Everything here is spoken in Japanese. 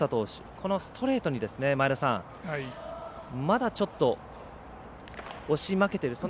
このストレートにまだちょっと、押し負けている。